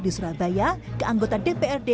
di surabaya ke anggota dprd